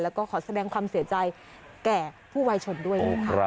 แล้วก็ขอแสดงความเสียใจแก่ผู้วัยชนด้วยนะคะ